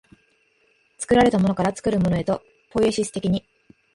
作られたものから作るものへと、ポイエシス的に、